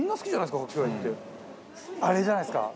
あれじゃないですか？